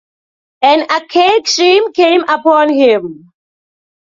An archaic shame came upon him.